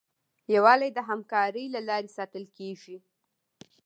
یووالی د همکارۍ له لارې ساتل کېږي.